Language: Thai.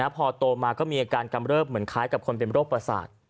พอโตมาก็มีอาการกำเริบเหมือนคล้ายกับคนเป็นโรคประสาท